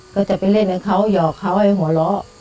ก็จะไปเล่นกับเขาหยอกเขาให้หัวเราะ